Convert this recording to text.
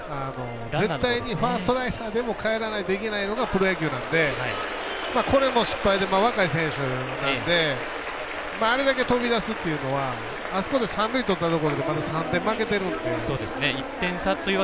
絶対にファーストライナーでもかえらなきゃいけないのがプロ野球なんでこれも失敗で、若い選手なんであれだけ飛び出すというのはあそこで三塁とったところでまだ３点、負けてるんで。